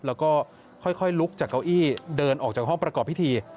แล้วก็ค่อยลุกจากเก้าอี้เดินออกจากห้องประกอบพิธี